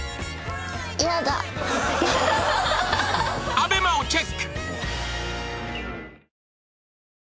ＡＢＥＭＡ をチェック